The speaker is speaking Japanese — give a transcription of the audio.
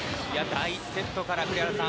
第１セットから栗原さん